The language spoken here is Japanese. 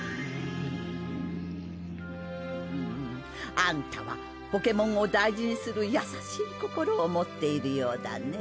アンタはポケモンを大事にする優しい心を持っているようだね。